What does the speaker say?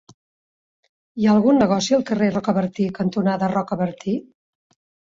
Hi ha algun negoci al carrer Rocabertí cantonada Rocabertí?